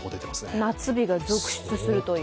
夏日が続出するという？